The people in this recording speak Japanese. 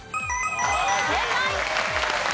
正解！